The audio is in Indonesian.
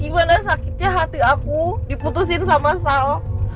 gimana sakitnya hati aku diputusin sama sao